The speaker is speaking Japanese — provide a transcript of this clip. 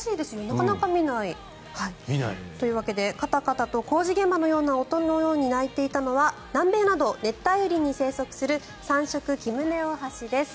なかなか見ないですね。というわけでカタカタと工事現場の音のように鳴いていたのは南米など熱帯雨林に生息するサンショクキムネオオハシです。